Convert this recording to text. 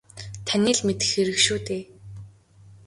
Таны л мэдэх хэрэг шүү дээ.